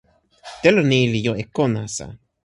telo ni li jo e ko nasa.